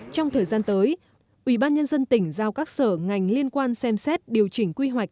trong thời gian tới ubnd tỉnh giao các sở ngành liên quan xem xét điều chỉnh quy hoạch